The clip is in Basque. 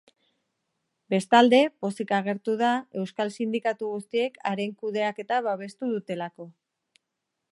Bestalde, pozik agertu da euskal sindikatu guztiek haren kudeaketa babestu dutelako.